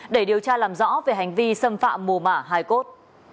để điều tra làm rõ về hành vi xâm phạm mù mả hải cốt